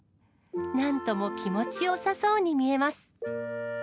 なんとも気持ちよさそうに見えま